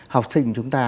học sinh chúng ta